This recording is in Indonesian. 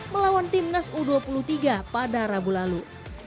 melawan timnas u dua puluh tiga pada rabu lalu